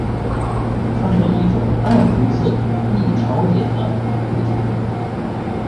它是一种暗红色易潮解的固体。